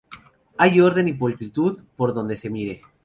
Hay orden y pulcritud por donde se mire.